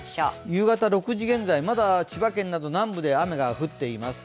夕方６時現在、まだ千葉県など南部で雨が降っています。